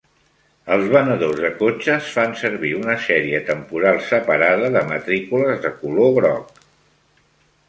Els venedors de cotxes fan servir una sèrie temporal separada de matrícules de color groc.